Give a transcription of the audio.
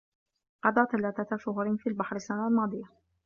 قضى ثلاثة شهور في البحر السنة الماضية.